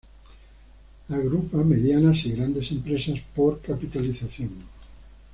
Agrupa medianas y grandes empresas por capitalización.